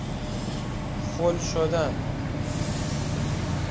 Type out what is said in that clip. خل شدن